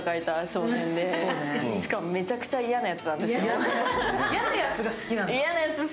しかもめちゃくちゃ嫌なやつなんですよ。